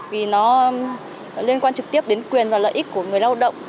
vì nó liên quan trực tiếp đến quyền và lợi ích của người lao động